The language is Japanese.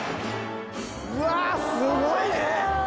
うわっすごいね！